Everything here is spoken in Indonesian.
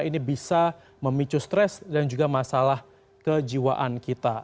ini bisa memicu stres dan juga masalah kejiwaan kita